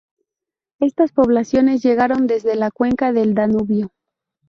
Estas poblaciones llegaron desde la cuenca del Danubio.